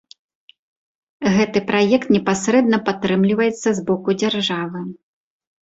Гэты праект непасрэдна падтрымліваецца з боку дзяржавы.